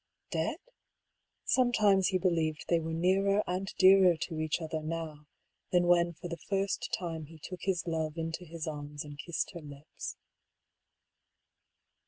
Dead ? Sometimes he believed they were nearer and dearer to each other now than when for the first time he took his love into his arms and kissed her lips.